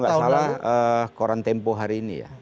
kalau gak salah koran tempo hari ini ya